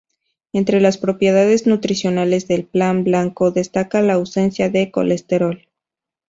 Entre las propiedades nutricionales del pan blanco destaca la ausencia de colesterol.